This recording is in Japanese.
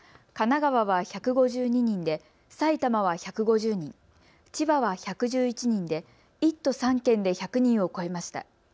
神奈川は１５２人で埼玉は１５０人、千葉は１１１人で１都３県で１００人を超えました。